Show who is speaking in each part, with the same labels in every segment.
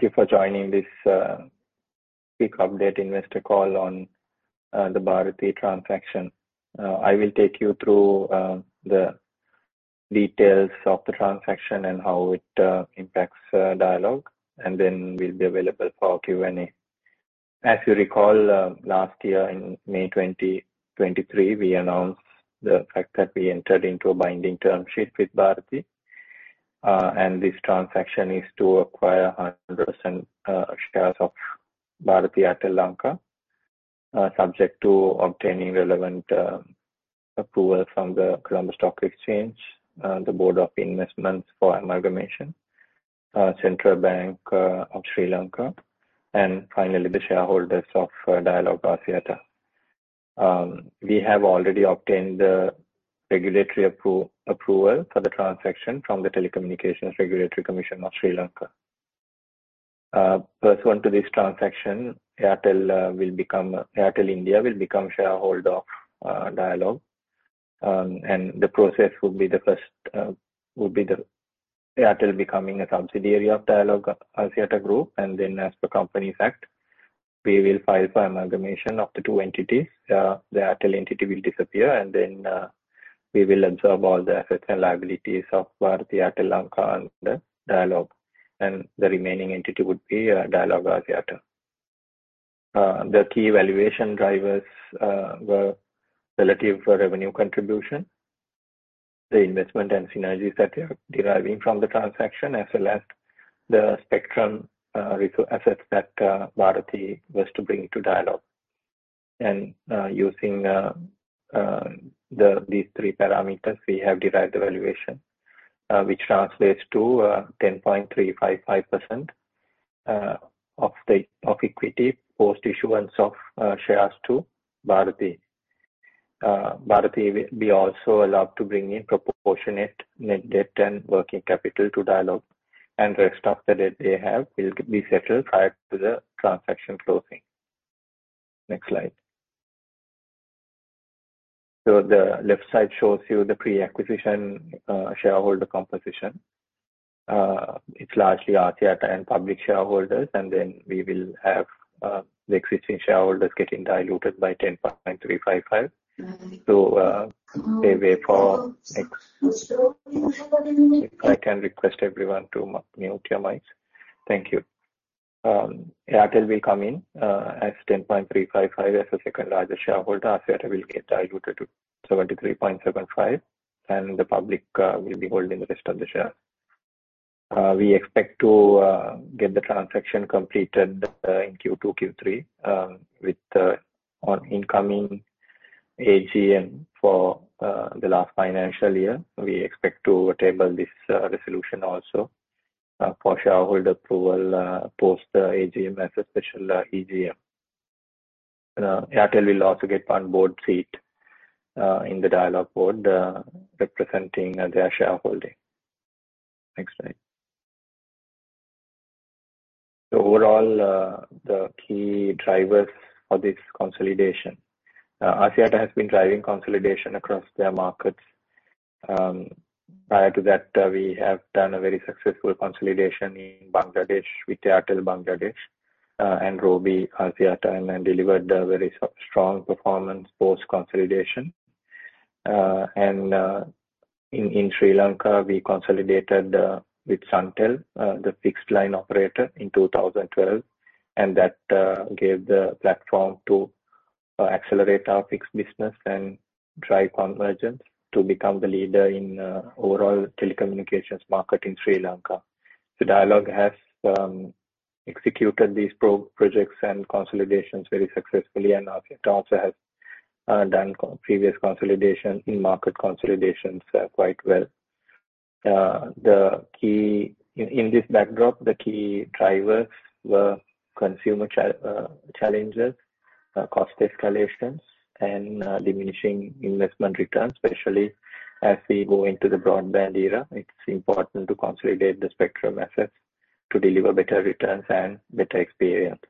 Speaker 1: Thank you for joining this quick update investor call on the Bharti transaction. I will take you through the details of the transaction and how it impacts Dialog, and then we'll be available for Q&A. As you recall, last year in May 2023, we announced the fact that we entered into a binding term sheet with Bharti, and this transaction is to acquire 100% shares of Bharti Airtel Lanka, subject to obtaining relevant approval from the Colombo Stock Exchange, the Board of Investment of Sri Lanka for Amalgamation, Central Bank of Sri Lanka, and finally the shareholders of Dialog Axiata. We have already obtained the regulatory approval for the transaction from the Telecommunications Regulatory Commission of Sri Lanka. Pursuant to this transaction, Airtel will become. Airtel India will become shareholder of Dialog, and the process would be the first would be the Airtel becoming a subsidiary of Dialog Axiata Group, and then as per Companies Act, we will file for amalgamation of the two entities. The Airtel entity will disappear, and then we will absorb all the assets and liabilities of Bharti Airtel Lanka under Dialog, and the remaining entity would be Dialog Axiata. The key valuation drivers were relative revenue contribution, the investment and synergies that we are deriving from the transaction, as well as the spectrum, radio assets that Bharti was to bring to Dialog. Using these three parameters, we have derived the valuation, which translates to 10.355% of the equity post-issuance of shares to Bharti. Bharti will be also allowed to bring in proportionate net debt and working capital to Dialog, and the rest of the debt they have will be settled prior to the transaction closing. Next slide. The left side shows you the pre-acquisition shareholder composition. It's largely Axiata and public shareholders, and then we will have the existing shareholders getting diluted by 10.355%. So, straight away. If I can request everyone to mute your mics. Thank you. Airtel will come in as 10.355% as the second largest shareholder. Axiata will get diluted to 73.75%, and the public will be holding the rest of the shares. We expect to get the transaction completed in Q2-Q3 with the incoming AGM for the last financial year. We expect to table this resolution also for shareholder approval post the AGM as a special EGM. Airtel will also get one board seat in the Dialog Board representing their shareholding. Next slide. So overall, the key drivers for this consolidation, Axiata has been driving consolidation across their markets. Prior to that, we have done a very successful consolidation in Bangladesh with Airtel Bangladesh and Robi Axiata, and then delivered very strong performance post-consolidation. In Sri Lanka, we consolidated with Suntel, the fixed-line operator in 2012, and that gave the platform to accelerate our fixed business and drive convergence to become the leader in overall telecommunications market in Sri Lanka. So Dialog has executed these prior projects and consolidations very successfully, and Axiata also has done previous consolidations in market consolidations quite well. In this backdrop, the key drivers were consumer challenges, cost escalations, and diminishing investment returns, especially as we go into the broadband era. It's important to consolidate the spectrum assets to deliver better returns and better experience.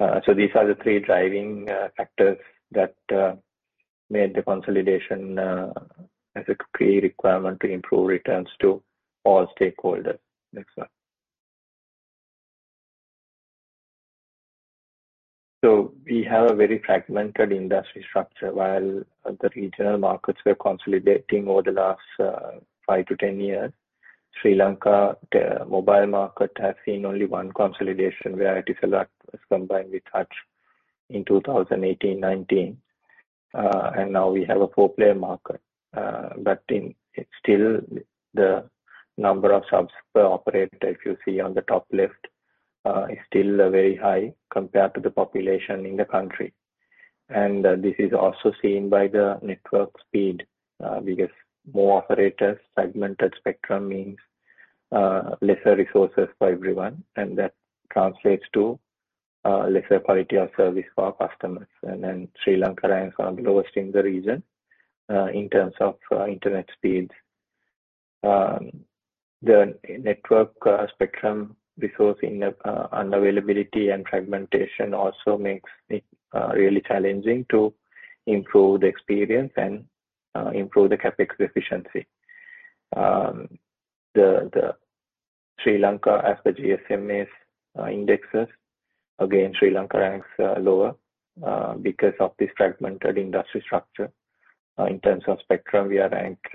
Speaker 1: So these are the three driving factors that made the consolidation as a key requirement to improve returns to all stakeholders. Next slide. So we have a very fragmented industry structure. While the regional markets were consolidating over the last five to 10 years, Sri Lanka's mobile market has seen only one consolidation, where Etisalat was combined with Hutch in 2018, 2019. And now we have a four-player market, but in it, it's still the number of subs per operator, if you see on the top left, is still very high compared to the population in the country. And this is also seen by the network speed, because more operators, fragmented spectrum means lesser resources for everyone, and that translates to lesser quality of service for our customers. And then Sri Lanka ranks on the lowest in the region, in terms of internet speeds. The network spectrum resource inefficiency, unavailability and fragmentation also makes it really challenging to improve the experience and improve the CapEx efficiency. The Sri Lanka, as per GSMA indices, again, Sri Lanka ranks lower because of this fragmented industry structure. In terms of spectrum, we are ranked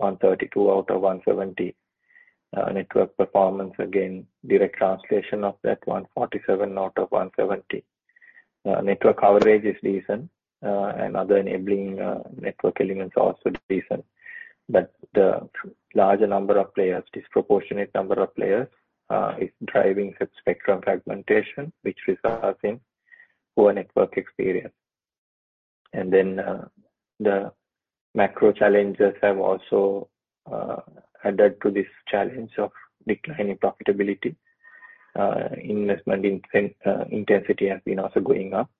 Speaker 1: on 32 out of 170. Network performance, again, direct translation of that, 147 out of 170. Network coverage is decent, and other enabling network elements are also decent. But the larger number of players, disproportionate number of players, is driving sub-spectrum fragmentation, which results in poor network experience. And then, the macro challenges have also added to this challenge of declining profitability. Investment intensity has been also going up.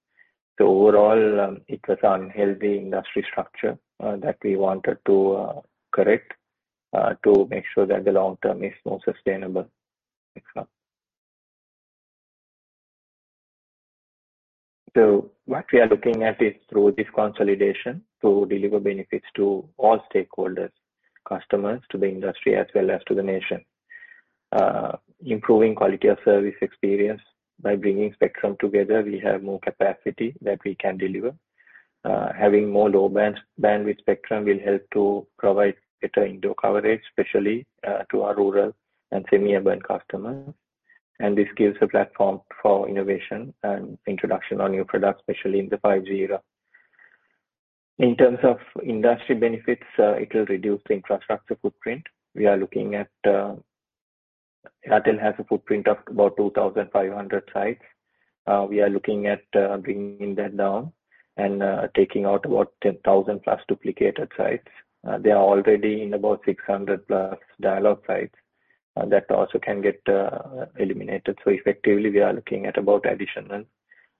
Speaker 1: So overall, it was an unhealthy industry structure that we wanted to correct to make sure that the long term is more sustainable. Next slide. So what we are looking at is through this consolidation to deliver benefits to all stakeholders, customers, to the industry, as well as to the nation. Improving quality of service experience by bringing spectrum together, we have more capacity that we can deliver. Having more low-band bandwidth spectrum will help to provide better indoor coverage, especially to our rural and semi-urban customers. And this gives a platform for innovation and introduction of new products, especially in the 5G era. In terms of industry benefits, it will reduce the infrastructure footprint. We are looking at Airtel has a footprint of about 2,500 sites. We are looking at bringing that down and taking out about 1,000+ duplicated sites. They are already in about 600+ Dialog sites that also can get eliminated. So effectively, we are looking at about additional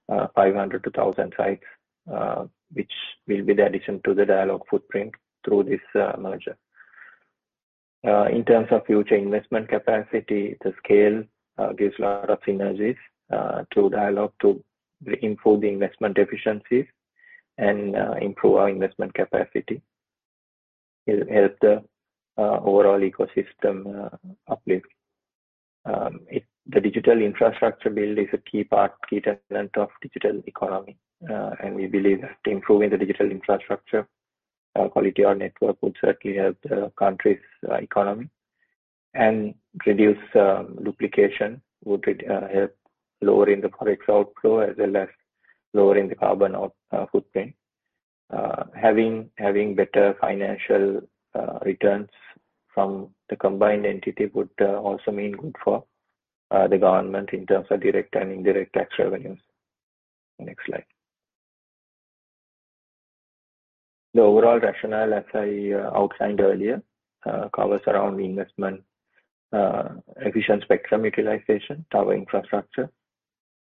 Speaker 1: 500-1,000 sites, which will be the addition to the Dialog footprint through this merger. In terms of future investment capacity, the scale gives a lot of synergies to Dialog to improve the investment efficiencies and improve our investment capacity. It'll help the overall ecosystem uplift. In the digital infrastructure build is a key part, key tenet of digital economy, and we believe that improving the digital infrastructure quality of network would certainly help the country's economy and reduce duplication, would help lowering the forex outflow as well as lowering the carbon footprint. Having better financial returns from the combined entity would also mean good for the government in terms of direct and indirect tax revenues. Next slide. The overall rationale as I outlined earlier covers our investment, efficient spectrum utilization, tower infrastructure,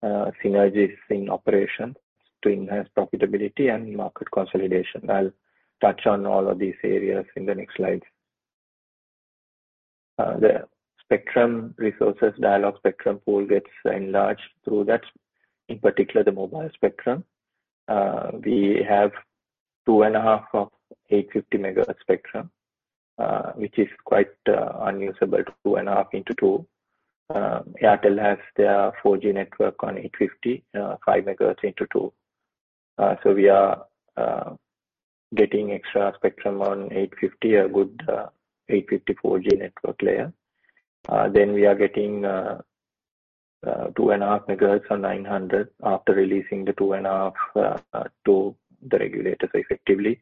Speaker 1: synergies in operations to enhance profitability and market consolidation. I'll touch on all of these areas in the next slides. The spectrum resources, Dialog spectrum pool gets enlarged through that, in particular, the mobile spectrum. We have 2.5 of 850 MHz spectrum, which is quite unusable, 2.5 into 2. Airtel has their 4G network on 850, 5 MHz into 2. So we are getting extra spectrum on 850, a good 850 4G network layer. Then we are getting 2.5 MHz on 900 after releasing the 2.5 to the regulators effectively.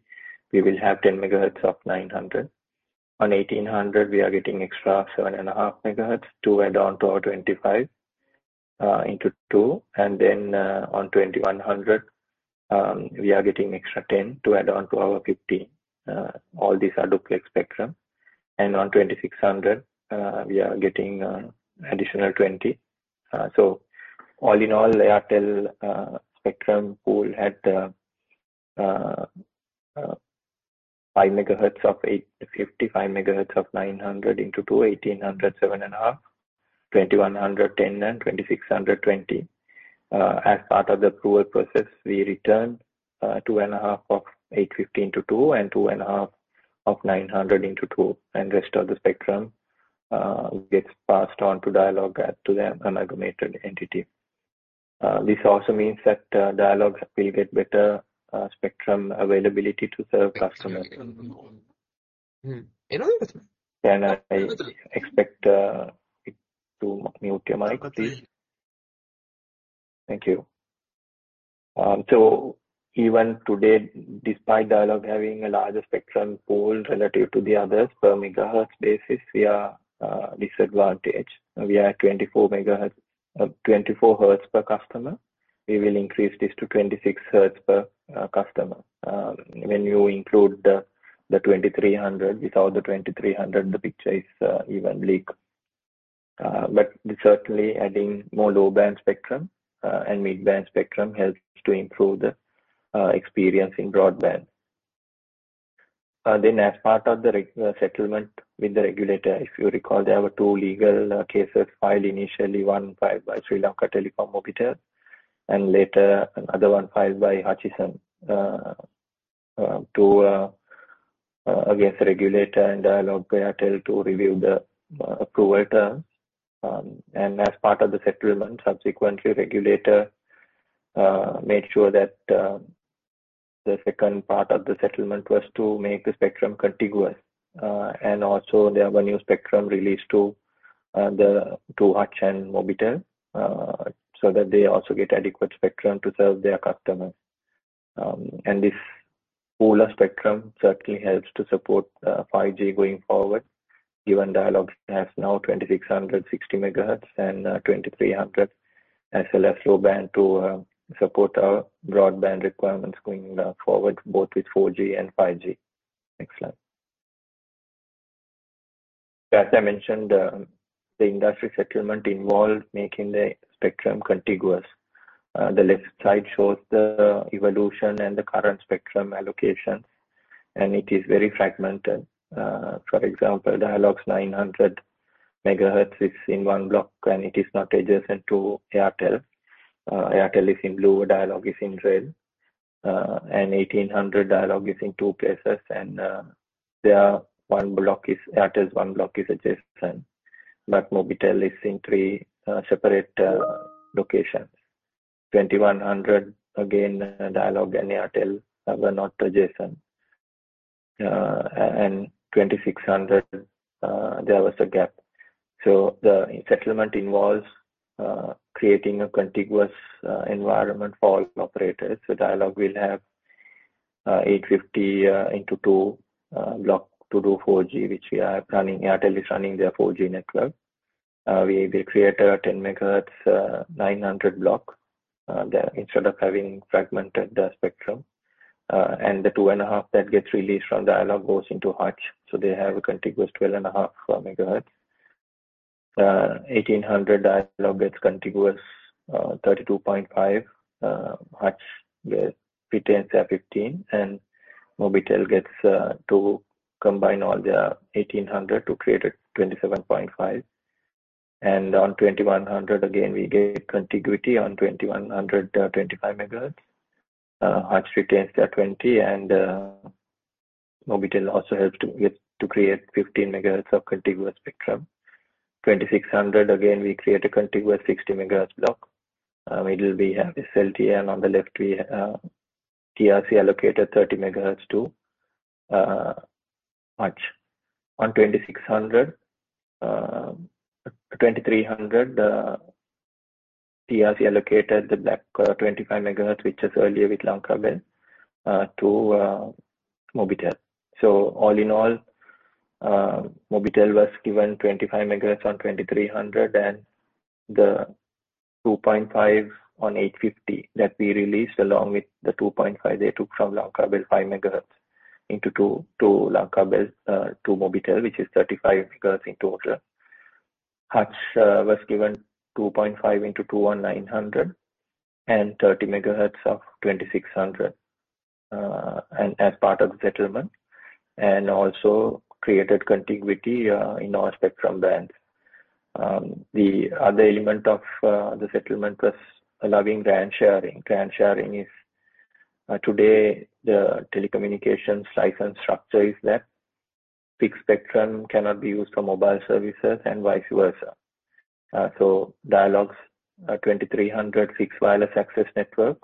Speaker 1: We will have 10 MHz of 900. On 1,800, we are getting extra 7.5 MHz to add on to our 25 into 2, and then on 2,100, we are getting extra 10 to add on to our 15. All these are duplex spectrum. And on 2,600, we are getting additional 20. So all in all, Airtel spectrum pool had the 5 MHz of 850, 5 MHz of 900 in 2G, 1800, 7.5, 2100, 10, and 2600 20. As part of the approval process, we return 2.5 of 850 in 2G and 2.5 of 900 in 2G, and the rest of the spectrum gets passed on to Dialog Axiata to the amalgamated entity. This also means that Dialog will get better spectrum availability to serve customers.
Speaker 2: Can I?
Speaker 1: Can I expect to mute your mic, please?
Speaker 2: Okay.
Speaker 1: Thank you. So even today, despite Dialog having a larger spectrum pool relative to the others per MHz basis, we are disadvantaged. We are at 24 MHz 24 Hz per customer. We will increase this to 26 Hz per customer. When you include the 2,300, without the 2,300, the picture is even bleaker. But certainly adding more low-band spectrum and mid-band spectrum helps to improve the experience in broadband. Then as part of the resettlement with the regulator, if you recall, there were two legal cases filed initially, one filed by Sri Lanka Telecom Mobitel and later another one filed by Hutchison against the regulator and Dialog by Airtel to review the approval terms. And as part of the settlement, subsequently, the regulator made sure that the second part of the settlement was to make the spectrum contiguous. And also, there were new spectrum releases to the Hutch and Mobitel, so that they also get adequate spectrum to serve their customers. And this pool of spectrum certainly helps to support 5G going forward, given Dialog has now 2600 60 MHz and 2,300 as a low-band to support our broadband requirements going forward, both with 4G and 5G. Next slide. As I mentioned, the industry settlement involved making the spectrum contiguous. The left side shows the evolution and the current spectrum allocations, and it is very fragmented. For example, Dialog's 900 MHz is in one block, and it is not adjacent to Airtel. Airtel is in blue. Dialog is in red. And 1,800 Dialog is in two places, and there are one block is Airtel's one block is adjacent, but Mobitel is in three separate locations. 2,100, again, Dialog and Airtel were not adjacent. And 2,600, there was a gap. So the settlement involves creating a contiguous environment for all operators. So Dialog will have 850 into 2100 block to do 4G, which we are running. Airtel is running their 4G network. We they create a 10 MHz 900 block there instead of having fragmented the spectrum. And the 2.5 that gets released from Dialog goes into Hutch, so they have a contiguous 12.5 MHz. 1,800 Dialog gets contiguous 32.5. Hutch gets 15, and Mobitel gets to combine all their 1,800 to create a 27.5. And on 2,100, again, we get contiguity on 2,100 25 MHz. Hutch retains their 20, and Mobitel also helps to get to create 15 MHz of contiguous spectrum. 2,600, again, we create a contiguous 60 MHz block. It will have SLT, and on the left, we have TRC allocated 30 MHz to Hutch. On 2,600, 2,300, TRC allocated the block 25 MHz, which was earlier with Lanka Bell, to Mobitel. So all in all, Mobitel was given 25 MHz on 2,300, and the 2.5 on 850 that we released along with the 2.5 they took from Lanka Bell, 5 MHz, into 2 to Lanka Bell, to Mobitel, which is 35 MHz in total. Hutch was given 2.5 into 2 on 900 and 30 MHz of 2,600, and as part of the settlement and also created contiguity in all spectrum bands. The other element of the settlement was allowing land sharing. Land sharing is, today, the telecommunications license structure is that fixed spectrum cannot be used for mobile services and vice versa. So Dialog's 2,300 fixed wireless access network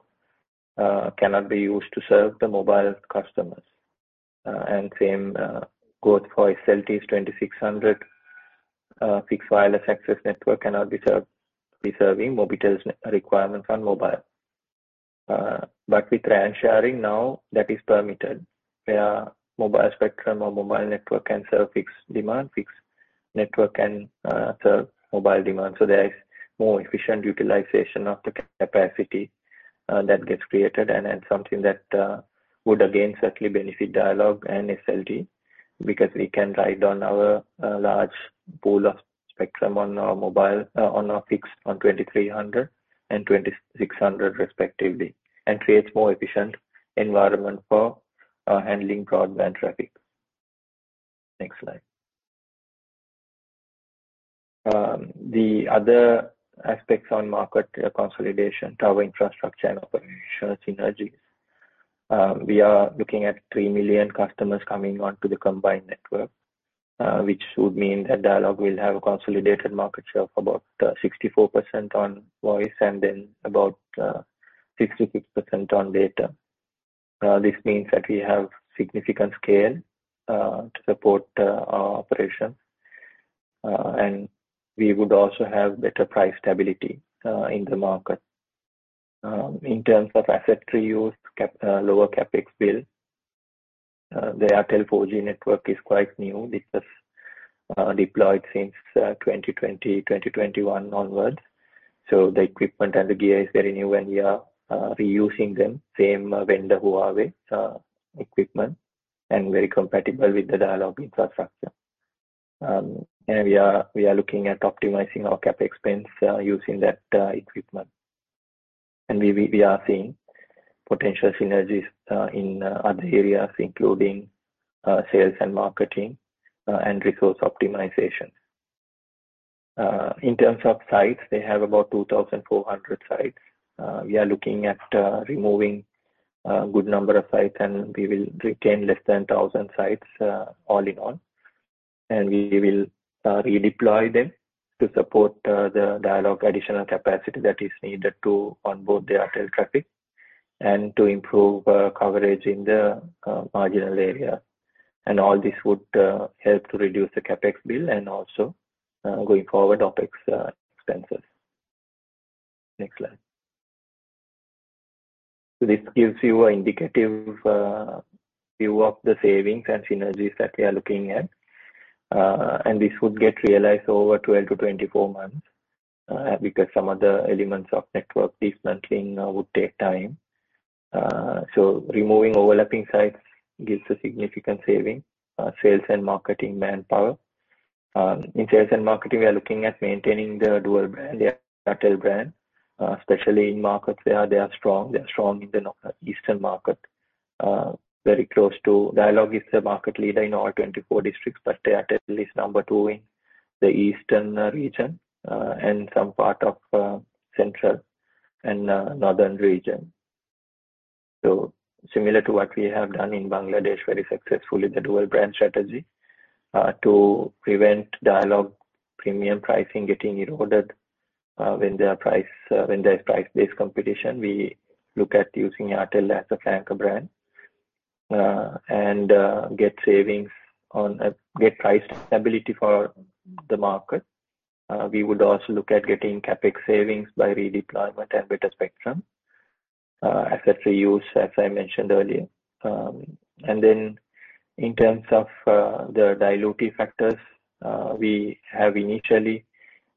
Speaker 1: cannot be used to serve the mobile customers.the same goes for SLT's 2,600 fixed wireless access network. It cannot be served by serving Mobitel's own requirements on mobile. But with band sharing now, that is permitted. Where mobile spectrum or mobile network can serve fixed demand, fixed network can serve mobile demand. So there is more efficient utilization of the capacity that gets created and, and something that would again certainly benefit Dialog and SLT because we can utilize our large pool of spectrum on our mobile, on our fixed, on 2,300 and 2,600 respectively and creates more efficient environment for handling broadband traffic. Next slide. The other aspects on market consolidation, tower infrastructure and operational synergies. We are looking at three million customers coming onto the combined network, which would mean that Dialog will have a consolidated market share of about 64% on voice and then about 66% on data. This means that we have significant scale to support our operations. And we would also have better price stability in the market. In terms of asset reuse, capital lower CapEx bill, the Airtel 4G network is quite new. It was deployed since 2020, 2021 onwards. So the equipment and the gear is very new, and we are reusing them, same vendor Huawei equipment and very compatible with the Dialog infrastructure. And we are looking at optimizing our CapEx spends using that equipment. And we are seeing potential synergies in other areas including sales and marketing and resource optimization. In terms of sites, they have about 2,400 sites. We are looking at removing a good number of sites, and we will retain less than 1,000 sites, all in all. And we will redeploy them to support the Dialog additional capacity that is needed to onboard the Airtel traffic and to improve coverage in the marginal areas. And all this would help to reduce the CapEx bill and also, going forward, OpEx expenses. Next slide. So this gives you an indicative view of the savings and synergies that we are looking at. And this would get realized over 12-24 months, because some of the elements of network dismantling would take time. So removing overlapping sites gives a significant saving, sales and marketing manpower. In sales and marketing, we are looking at maintaining the dual brand, the Airtel brand, especially in markets where they are strong. They are strong in the North Eastern market, very close to Dialog. It is the market leader in all 24 districts, but Airtel is number two in the eastern region, and some part of central and northern region. So similar to what we have done in Bangladesh very successfully with the dual brand strategy, to prevent Dialog premium pricing getting eroded, when there's price-based competition, we look at using Airtel as a flanker brand, and get savings on price stability for the market. We would also look at getting CapEx savings by redeployment and better spectrum asset reuse, as I mentioned earlier. Then in terms of the diluting factors, we have initially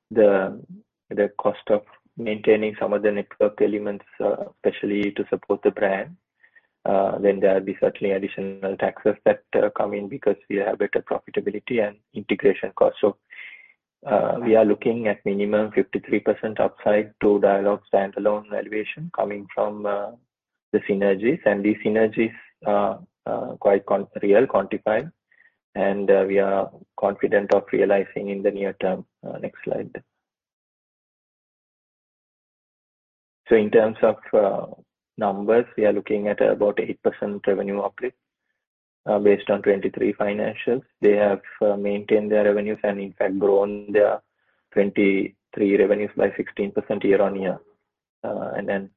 Speaker 1: the cost of maintaining some of the network elements, especially to support the brand. Then there will be certainly additional taxes that come in because we have better profitability and integration cost. So, we are looking at minimum 53% upside to Dialog standalone valuation coming from the synergies. And these synergies are quite concrete, quantified, and we are confident of realizing in the near term. Next slide. So in terms of numbers, we are looking at about 8% revenue uplift, based on 2023 financials. They have maintained their revenues and, in fact, grown their 2023 revenues by 16% year-on-year. And then,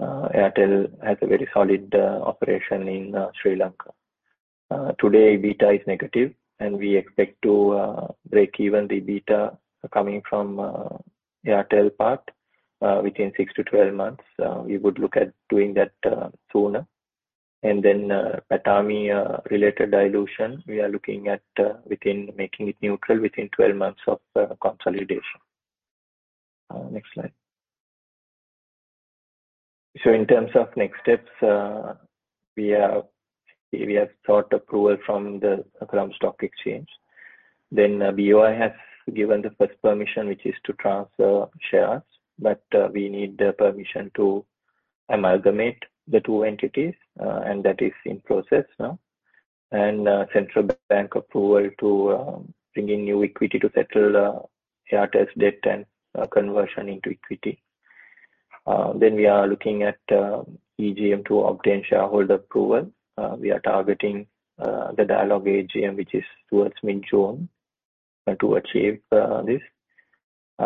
Speaker 1: Airtel has a very solid operation in Sri Lanka. Today, EBITDA is negative, and we expect to break even the EBITDA coming from Airtel part, within six to 12 months. We would look at doing that sooner. And then, PATAMI related dilution, we are looking at within making it neutral within 12 months of consolidation. Next slide. So in terms of next steps, we have sought approval from the Colombo Stock Exchange. Then, BOI has given the first permission, which is to transfer shares, but we need the permission to amalgamate the two entities, and that is in process now. And Central Bank approval to bring new equity to settle Airtel's debt and conversion into equity. Then we are looking at EGM to obtain shareholder approval. We are targeting the Dialog AGM, which is towards mid-June, to achieve this.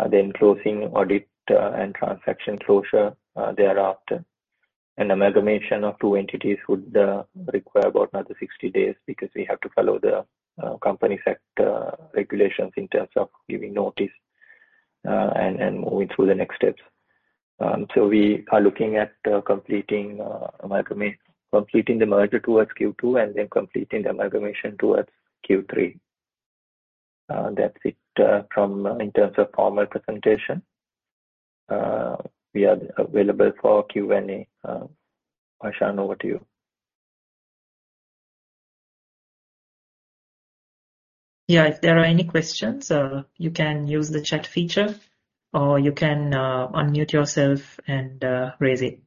Speaker 1: Then closing audit and transaction closure thereafter. And amalgamation of two entities would require about another 60 days because we have to follow the Companies Act regulations in terms of giving notice and moving through the next steps. So we are looking at completing amalgamation completing the merger towards Q2 and then completing the amalgamation towards Q3. That's it in terms of formal presentation. We are available for Q&A. Hashan, over to you.
Speaker 3: Yeah. If there are any questions, you can use the chat feature, or you can unmute yourself and raise it.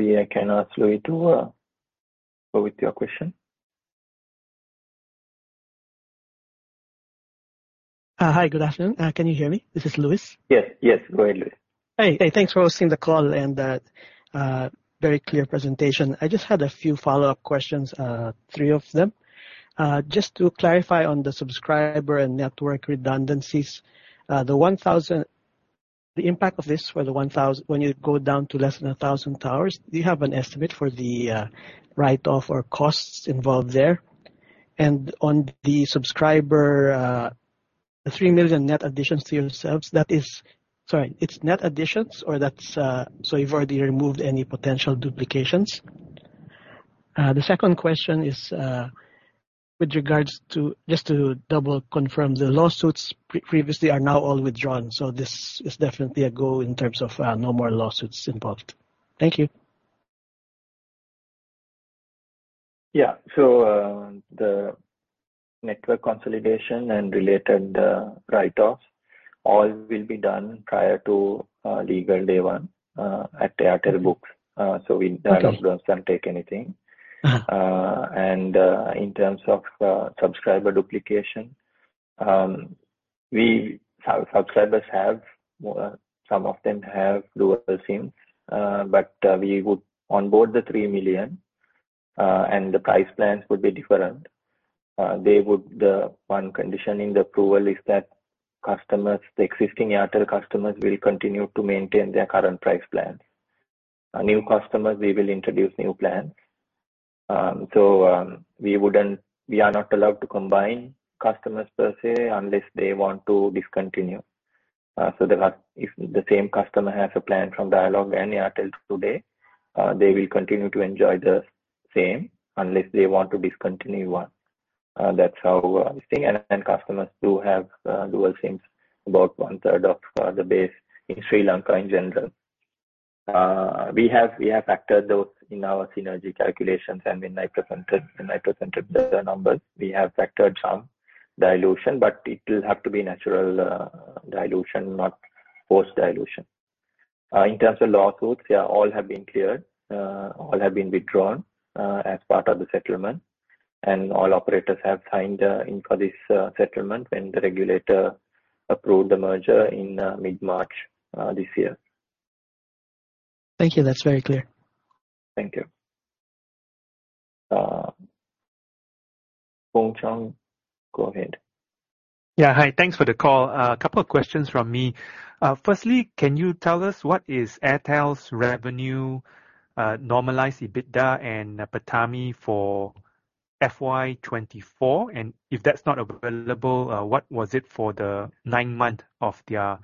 Speaker 1: Maybe I cannot. Let's go with your question.
Speaker 2: Hi. Good afternoon. Can you hear me? This is Louis.
Speaker 1: Yes. Yes. Go ahead, Louis.
Speaker 2: Hey. Hey. Thanks for hosting the call and, very clear presentation. I just had a few follow-up questions, three of them. Just to clarify on the subscriber and network redundancies, the 1,000—the impact of this for the 1,000 when you go down to less than 1,000 towers, do you have an estimate for the write-off or costs involved there? And on the subscriber, the three million net additions to yourselves, that is—sorry. It's net additions, or that's, so you've already removed any potential duplications? The second question is, with regards to just to double-confirm, the lawsuits previously are now all withdrawn, so this is definitely a go in terms of no more lawsuits involved. Thank you.
Speaker 1: Yeah. So, the network consolidation and related write-off, all will be done prior to Legal Day One, at Airtel books. So we.
Speaker 2: Okay.
Speaker 1: Dialog doesn't take anything.
Speaker 2: Uh-huh.
Speaker 1: In terms of subscriber duplication, subscribers have some of them have dual SIMs, but we would onboard the three million, and the price plans would be different. They would. The one conditioning approval is that customers, the existing Airtel customers will continue to maintain their current price plans. New customers, we will introduce new plans. So, we wouldn't. We are not allowed to combine customers per se unless they want to discontinue. So the customer if the same customer has a plan from Dialog and Airtel today, they will continue to enjoy the same unless they want to discontinue one. That's how this thing. Then customers do have dual SIMs, about one-third of the base in Sri Lanka in general. We have factored those in our synergy calculations, and when I presented the numbers, we have factored some dilution, but it will have to be natural dilution, not forced dilution. In terms of lawsuits, yeah, all have been cleared. All have been withdrawn, as part of the settlement. And all operators have signed in for this settlement when the regulator approved the merger in mid-March this year.
Speaker 2: Thank you. That's very clear.
Speaker 1: Thank you. Foong Choong, go ahead.
Speaker 4: Yeah. Hi. Thanks for the call. A couple of questions from me. Firstly, can you tell us what is Airtel's revenue, normalized EBITDA and PATAMI for FY 2024? And if that's not available, what was it for the nine months of their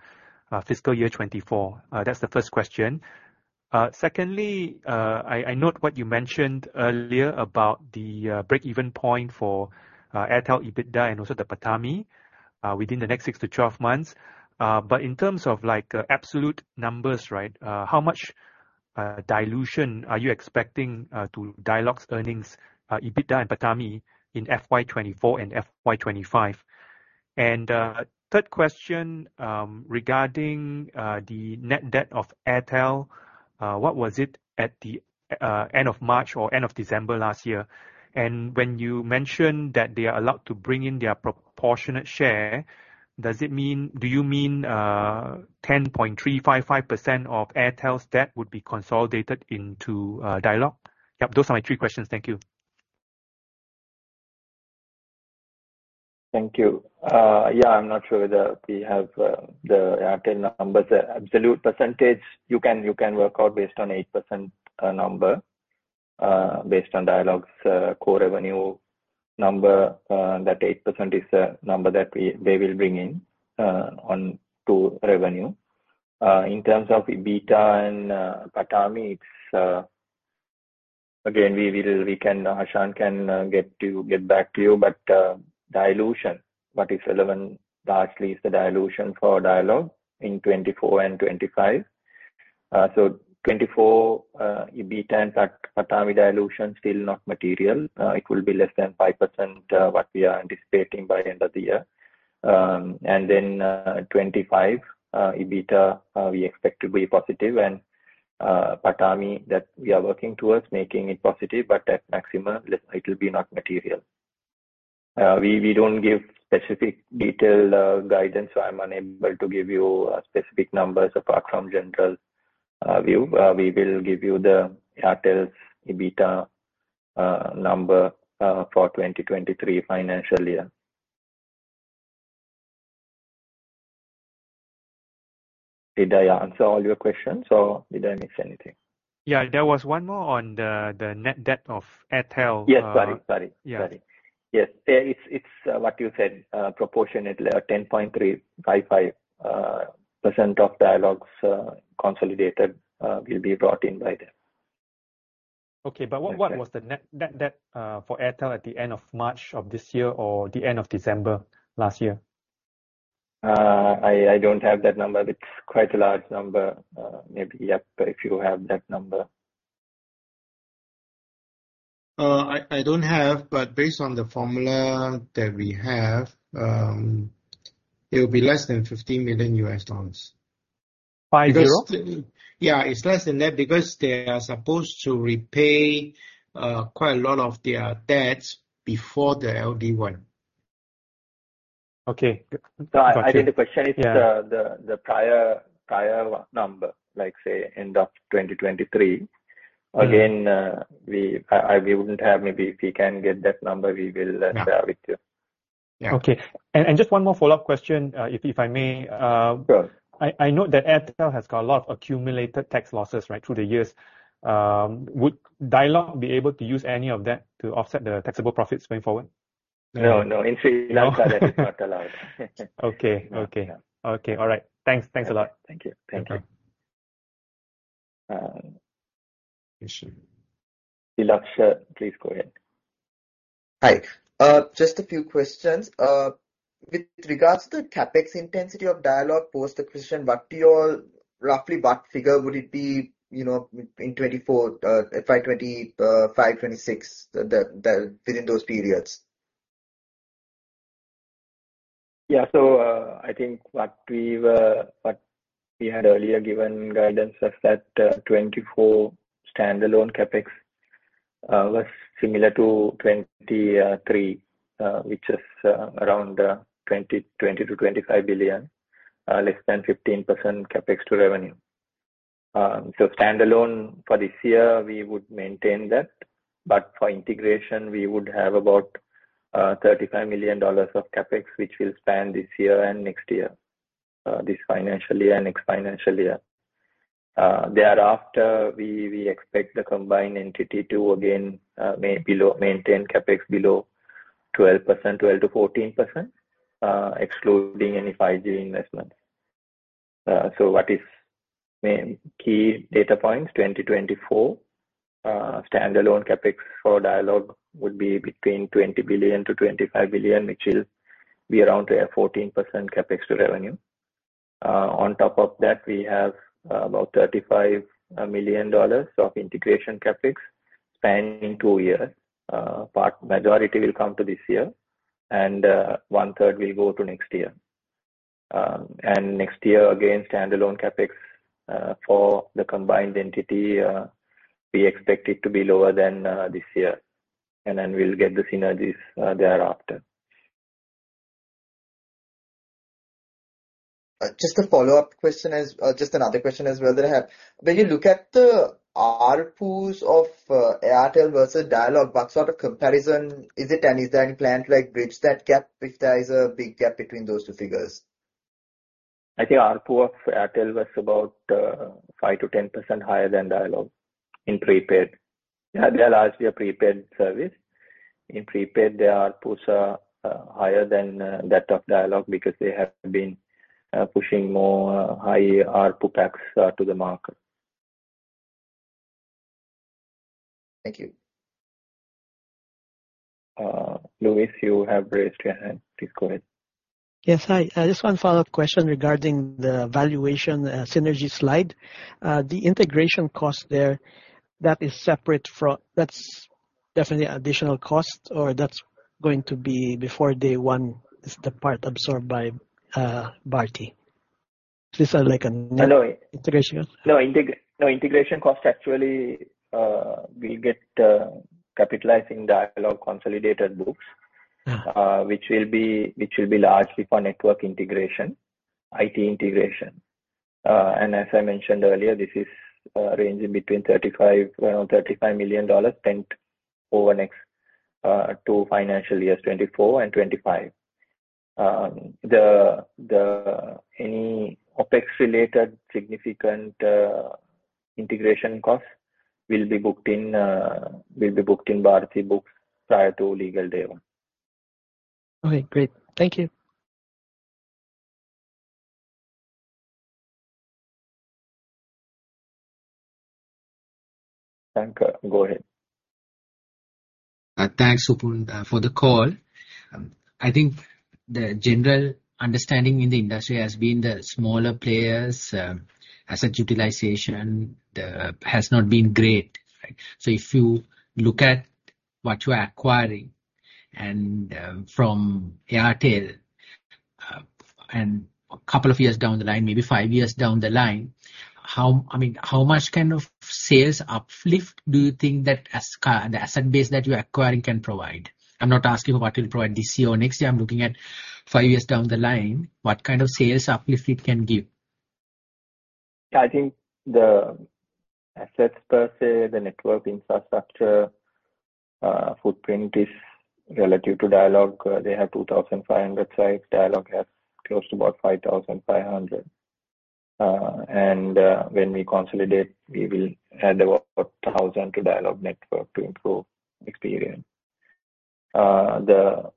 Speaker 4: fiscal year 2024? That's the first question. Secondly, I note what you mentioned earlier about the break-even point for Airtel EBITDA and also the PATAMI within the next six to 12 months. But in terms of, like, absolute numbers, right, how much dilution are you expecting to Dialog's earnings, EBITDA and PATAMI in FY 2024 and FY 2025? And third question, regarding the net debt of Airtel, what was it at the end of March or end of December last year? And when you mentioned that they are allowed to bring in their proportionate share, does it mean do you mean 10.355% of Airtel's debt would be consolidated into Dialog? Yep. Those are my three questions. Thank you.
Speaker 1: Thank you. Yeah. I'm not sure whether we have the Airtel numbers. The absolute percentage, you can you can work out based on 8%, number, based on Dialog's core revenue number, that 8% is the number that we they will bring in onto revenue. In terms of EBITDA and PATAMI, it's again, we will we can Hashan can get to get back to you, but dilution, what is relevant largely is the dilution for Dialog in 2024 and 2025. So 2024, EBITDA and PATAMI dilution still not material. It will be less than 5%, what we are anticipating by the end of the year. And then 2025, EBITDA we expect to be positive, and PATAMI that we are working towards making it positive, but at maximum, less it will be not material. We don't give specific detail guidance, so I'm unable to give you specific numbers apart from general view. We will give you Airtel's EBITDA number for 2023 financial year. Did I answer all your questions, or did I miss anything?
Speaker 4: Yeah. There was one more on the net debt of Airtel,
Speaker 1: Yes. Sorry. Sorry. Sorry.
Speaker 4: Yeah.
Speaker 1: Yes. Yeah. It's what you said, proportionately 10.355% of Dialog's consolidated will be brought in by then.
Speaker 4: Okay. But what, what was the net, net debt, for Airtel at the end of March of this year or the end of December last year?
Speaker 1: I don't have that number. It's quite a large number, maybe. Yep. If you have that number.
Speaker 5: I don't have, but based on the formula that we have, it will be less than $15 million.
Speaker 4: 50?
Speaker 5: Because, yeah. It's less than that because they are supposed to repay quite a lot of their debts before the LD1.
Speaker 1: Okay. So I didn't understand. If it's the prior number, like, say, end of 2023, again, we wouldn't have maybe if we can get that number, we will.
Speaker 4: Yeah.
Speaker 1: Share with you.
Speaker 4: Yeah. Okay. And just one more follow-up question, if I may,
Speaker 1: Sure.
Speaker 4: I note that Airtel has got a lot of accumulated tax losses, right, through the years. Would Dialog be able to use any of that to offset the taxable profits going forward?
Speaker 1: No. No. In Sri Lanka, that is not allowed.
Speaker 4: Okay. Okay. Okay. All right. Thanks. Thanks a lot.
Speaker 1: Thank you. Thank you.
Speaker 4: Okay.
Speaker 1: Diluksha. Please go ahead.
Speaker 6: Hi. Just a few questions. With regards to the CapEx intensity of Dialog post acquisition, what do you all roughly what figure would it be, you know, in 2024, FY 2020, FY 2026, the within those periods?
Speaker 1: Yeah. So, I think what we had earlier given guidance was that, 2024 standalone CapEx was similar to 2023, which is around LKR 20 billion-LKR 25 billion, less than 15% CapEx to revenue. So standalone for this year, we would maintain that, but for integration, we would have about $35 million of CapEx, which will span this year and next year, this financial year and next financial year. Thereafter, we expect the combined entity to again maintain CapEx below 12%-14%, excluding any 5G investments. So the main key data points, 2024 standalone CapEx for Dialog would be between LKR 20 billion-LKR 25 billion, which will be around 14% CapEx to revenue. On top of that, we have about $35 million of integration CapEx spanning two years. The majority will come to this year, and 1/3 will go to next year. Next year, again, standalone CapEx for the combined entity, we expect it to be lower than this year, and then we'll get the synergies thereafter.
Speaker 6: Just a follow-up question as just another question as well that I have. When you look at the ARPUs of Airtel versus Dialog, what sort of comparison is it, and is there any plan to, like, bridge that gap if there is a big gap between those two figures?
Speaker 1: I think ARPU of Airtel was about 5%-10% higher than Dialog in prepaid. Airtel largely are prepaid service. In prepaid, their ARPUs are higher than that of Dialog because they have been pushing more high ARPU packs to the market.
Speaker 6: Thank you.
Speaker 1: Louis, you have raised your hand. Please go ahead.
Speaker 2: Yes. Hi. Just one follow-up question regarding the valuation, synergy slide. The integration cost there, that is separate from that's definitely additional cost, or that's going to be before day one is the part absorbed by, Bharti? Is this a, like, a net.
Speaker 1: No.
Speaker 2: Integration cost?
Speaker 1: Integration cost, actually, we'll get capitalized in Dialog consolidated books.
Speaker 2: Uh-huh.
Speaker 1: which will be largely for network integration, IT integration. And as I mentioned earlier, this is ranging between $35 million spent over next two financial years, 2024 and 2025. Any OpEx-related significant integration costs will be booked in Bharti books prior to Legal Day One.
Speaker 2: Okay. Great. Thank you.
Speaker 1: Thank, go ahead.
Speaker 7: Thanks, Supun, for the call. I think the general understanding in the industry has been the smaller players, asset utilization, has not been great, right? So if you look at what you're acquiring and, from Airtel, and a couple of years down the line, maybe five years down the line, how I mean, how much kind of sales uplift do you think that the asset base that you're acquiring can provide? I'm not asking for what it'll provide this year or next year. I'm looking at five years down the line, what kind of sales uplift it can give.
Speaker 1: Yeah. I think the assets per se, the network infrastructure, footprint is relative to Dialog. They have 2,500 sites. Dialog has close to about 5,500. And when we consolidate, we will add about 1,000 to Dialog network to improve experience. The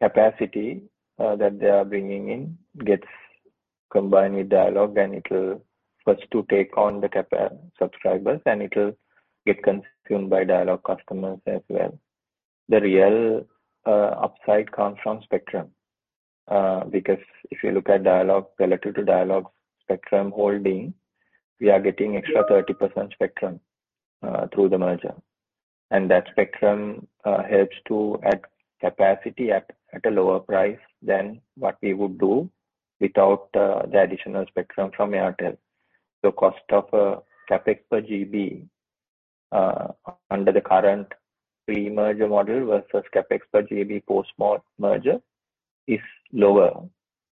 Speaker 1: capacity that they are bringing in gets combined with Dialog, and it'll first to take on the Airtel subscribers, and it'll get consumed by Dialog customers as well. The real upside comes from spectrum, because if you look at Dialog relative to Dialog spectrum holding, we are getting extra 30% spectrum through the merger. And that spectrum helps to add capacity at a lower price than what we would do without the additional spectrum from Airtel. The cost of CapEx per GB under the current pre-merger model versus CapEx per GB post-merger is lower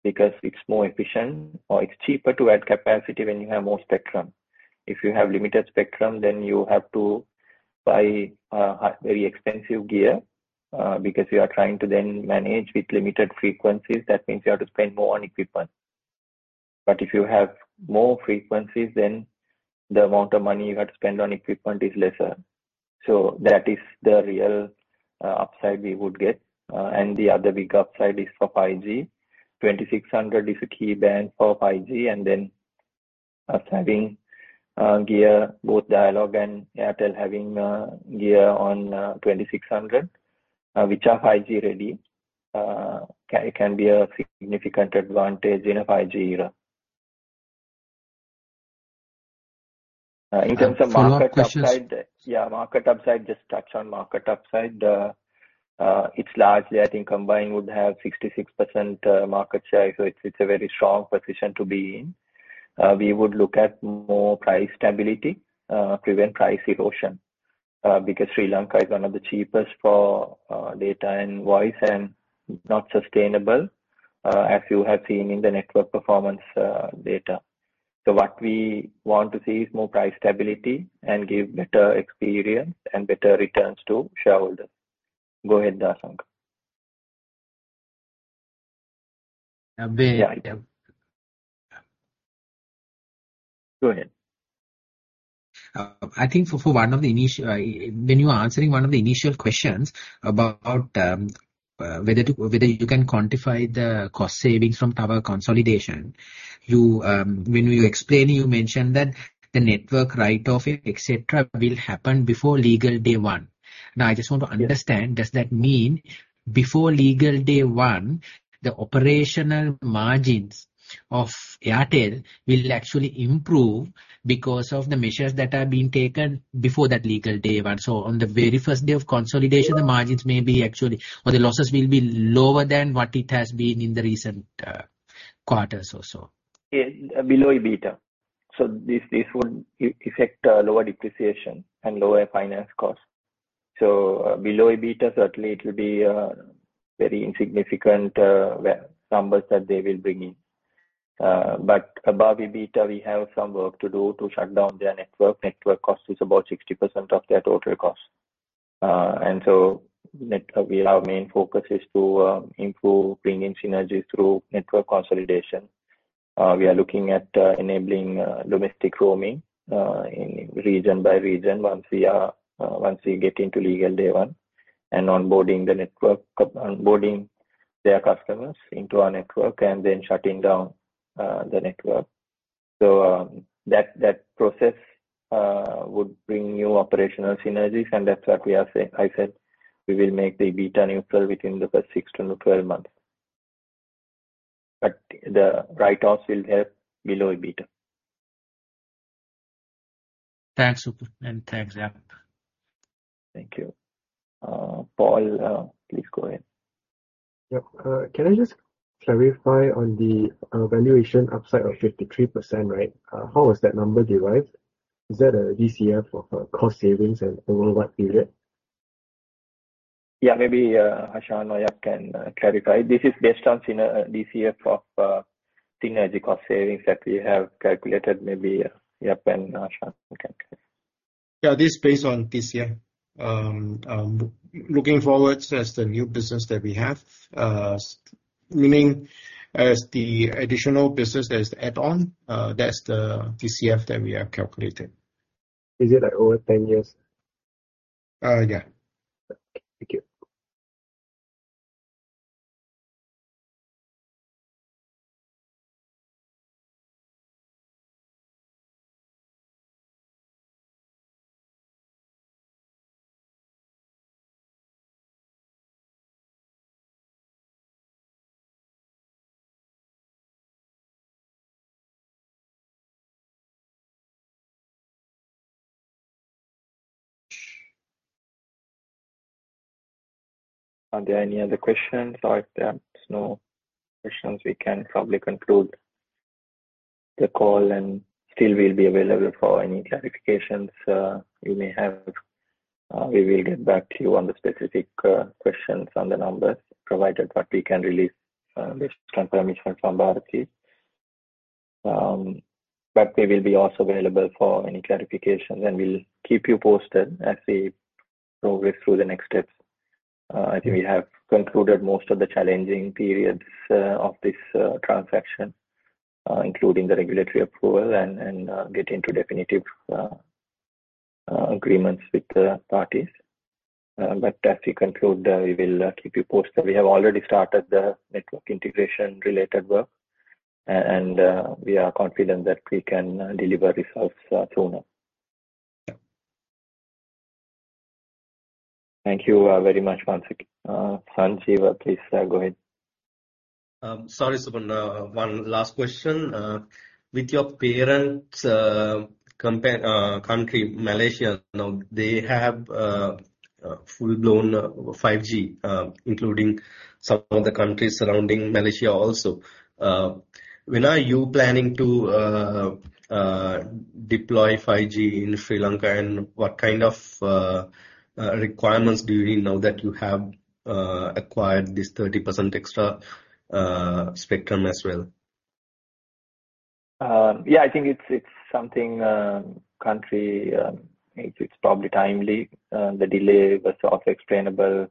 Speaker 1: because it's more efficient, or it's cheaper to add capacity when you have more spectrum. If you have limited spectrum, then you have to buy very expensive gear, because you are trying to then manage with limited frequencies. That means you have to spend more on equipment. But if you have more frequencies, then the amount of money you have to spend on equipment is lesser. So that is the real upside we would get. And the other big upside is for 5G. 2,600 is a key band for 5G, and then having gear, both Dialog and Airtel having gear on 2,600, which are 5G-ready, can be a significant advantage in a 5G era in terms of market upside.
Speaker 7: Market upside?
Speaker 1: Yeah. Market upside, just touch on market upside. It's largely, I think, combined would have 66% market share, so it's, it's a very strong position to be in. We would look at more price stability, prevent price erosion, because Sri Lanka is one of the cheapest for data and voice and not sustainable, as you have seen in the network performance, data. So what we want to see is more price stability and give better experience and better returns to shareholders. Go ahead, Dasun.
Speaker 7: Yeah.
Speaker 1: Yeah. Go ahead.
Speaker 7: I think for one of the initial when you were answering one of the initial questions about whether you can quantify the cost savings from tower consolidation, you, when you explained, you mentioned that the network write-off, etc., will happen before Legal Day One. Now, I just want to understand, does that mean before Legal Day One, the operational margins of Airtel will actually improve because of the measures that are being taken before that Legal Day One? So on the very first day of consolidation, the margins may be actually or the losses will be lower than what it has been in the recent quarters or so?
Speaker 1: Yeah. Below EBITDA. So this would affect lower depreciation and lower finance costs. So, below EBITDA, certainly, it will be very insignificant negative numbers that they will bring in. But above EBITDA, we have some work to do to shut down their network. Network cost is about 60% of their total cost. And so net, our main focus is to improve bringing synergy through network consolidation. We are looking at enabling domestic roaming in region by region once we get into Legal Day One and onboarding their customers into our network and then shutting down the network. So, that process would bring new operational synergies, and that's what I said we will make the EBITDA neutral within the first six to 12 months. But the write-offs will help below EBITDA.
Speaker 7: Thanks, Supun, and thanks, Yap.
Speaker 1: Thank you. Paul, please go ahead.
Speaker 8: Yep. Can I just clarify on the valuation upside of 53%, right? How was that number derived? Is that a DCF of cost savings and over what period?
Speaker 1: Yeah. Maybe Hashan or Yap can clarify. This is based on synergy DCF of synergy cost savings that we have calculated. Maybe Yap and Hashan can.
Speaker 5: Yeah. This is based on this year. Looking forward as the new business that we have, meaning as the additional business as add-on, that's the DCF that we have calculated.
Speaker 8: Is it, like, over 10 years?
Speaker 5: yeah.
Speaker 8: Okay. Thank you.
Speaker 1: Do you have any other questions? Or if there are no questions, we can probably conclude the call, and still, we'll be available for any clarifications you may have. We will get back to you on the specific questions on the numbers provided, what we can release based on permission from Bharti. We will be also available for any clarifications, and we'll keep you posted as we progress through the next steps. I think we have concluded most of the challenging periods of this transaction, including the regulatory approval and getting to definitive agreements with the parties. As we conclude, we will keep you posted. We have already started the network integration-related work, and we are confident that we can deliver results sooner.
Speaker 5: Yeah.
Speaker 1: Thank you very much, Sanjeewa. Please go ahead.
Speaker 9: Sorry, Supun, one last question. With your parent company country, Malaysia, now they have full-blown 5G, including some of the countries surrounding Malaysia also. When are you planning to deploy 5G in Sri Lanka, and what kind of requirements do you need now that you have acquired this 30% extra spectrum as well?
Speaker 1: Yeah. I think it's something country. It's probably timely. The delay was self-explainable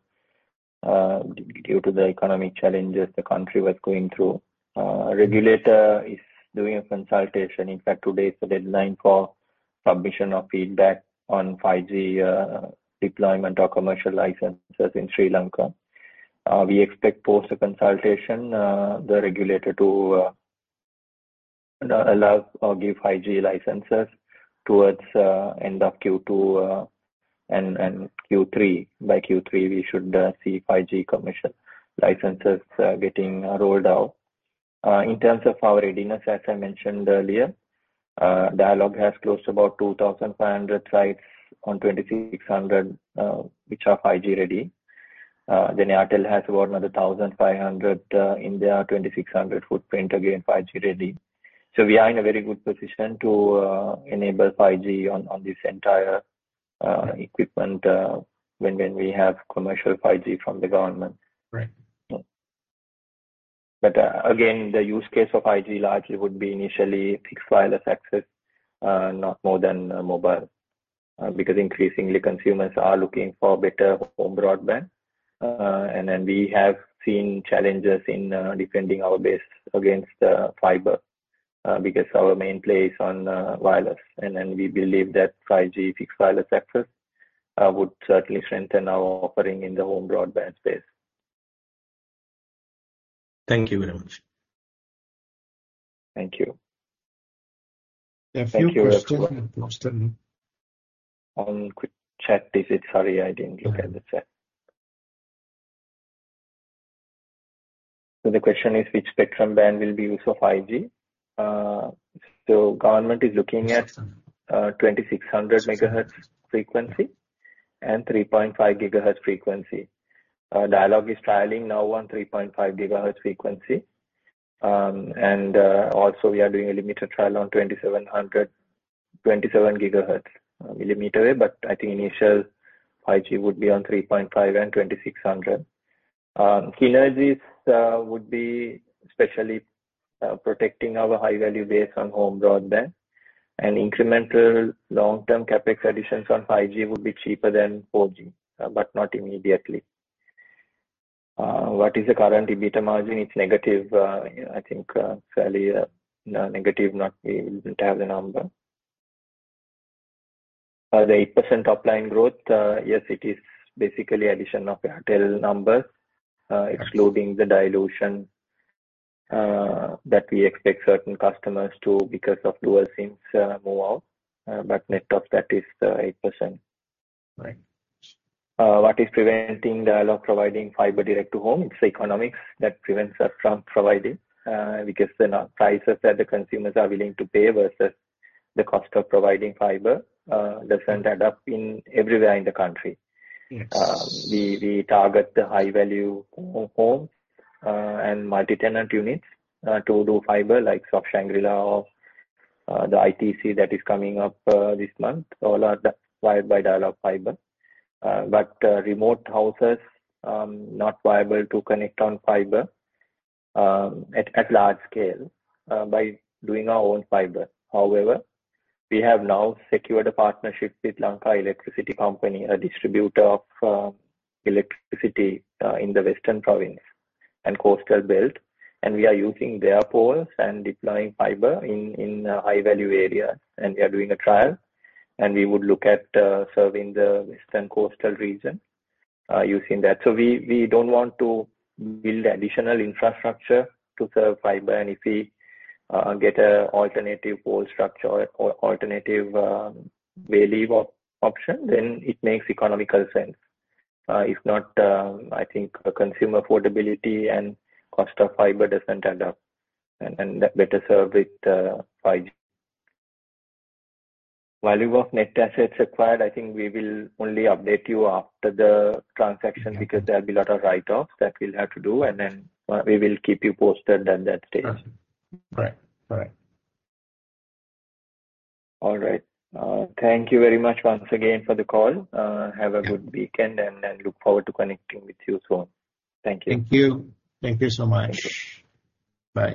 Speaker 1: due to the economic challenges the country was going through. The regulator is doing a consultation. In fact, today is the deadline for submission of feedback on 5G deployment or commercial licenses in Sri Lanka. We expect post the consultation, the regulator to allow or give 5G licenses towards end of Q2 and Q3. By Q3, we should see 5G commercial licenses getting rolled out. In terms of our readiness, as I mentioned earlier, Dialog has closed about 2,500 sites on 2,600, which are 5G-ready. Then Airtel has about another 1,500 in their 2,600 footprint, again 5G-ready. So we are in a very good position to enable 5G on this entire equipment when we have commercial 5G from the government.
Speaker 9: Right.
Speaker 1: But, again, the use case of 5G largely would be initially fixed wireless access, not more than mobile, because increasingly, consumers are looking for better home broadband. And then we have seen challenges in defending our base against fiber, because our main play on wireless. And then we believe that 5G fixed wireless access would certainly strengthen our offering in the home broadband space.
Speaker 9: Thank you very much.
Speaker 1: Thank you.
Speaker 5: Yeah. A few questions posted, no?
Speaker 1: On quick chat visit. Sorry, I didn't look at the chat. So the question is, which spectrum band will be used for 5G? So government is looking at 2,600 MHz frequency and 3.5 GHz frequency. Dialog is trialing now on 3.5 GHz frequency. And also, we are doing a limited trial on 2.7, 27 GHz, millimeter wave, but I think initial 5G would be on 3.5 and 2,600. Synergies would be especially protecting our high-value base on home broadband, and incremental long-term CapEx additions on 5G would be cheaper than 4G, but not immediately. What is the current EBITDA margin? It's negative. You know, I think fairly negative, not, we wouldn't have the number. The 8% top-line growth, yes, it is basically addition of Airtel numbers, excluding the dilution that we expect certain customers to because of dual SIMs move out. But net of that, it's 8%.
Speaker 5: Right.
Speaker 1: What is preventing Dialog providing fiber direct to home? It's the economics that prevents us from providing, because the low prices that the consumers are willing to pay versus the cost of providing fiber, doesn't add up everywhere in the country.
Speaker 5: Yes.
Speaker 1: We target the high-value homes and multi-tenant units to do fiber, like Shangri-La or the ITC that is coming up this month; all are wired by Dialog fiber. But remote houses are not viable to connect on fiber at large scale by doing our own fiber. However, we have now secured a partnership with Lanka Electricity Company, a distributor of electricity in the Western Province and coastal belt, and we are using their poles and deploying fiber in high-value areas. And we are doing a trial, and we would look at serving the western coastal region using that. So we don't want to build additional infrastructure to serve fiber. And if we get an alternative pole structure or alternative FWA option, then it makes economical sense. If not, I think consumer affordability and cost of fiber doesn't add up, and and better serve with 5G. Value of net assets acquired, I think we will only update you after the transaction because there'll be a lot of write-offs that we'll have to do, and then we will keep you posted at that stage.
Speaker 5: Okay. Right. Right.
Speaker 1: All right. Thank you very much, once again, for the call. Have a good weekend, and look forward to connecting with you soon. Thank you.
Speaker 5: Thank you. Thank you so much. Bye.